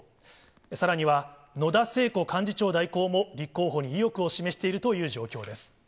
さらには、野田聖子幹事長代行も立候補に意欲を示しているという状況です。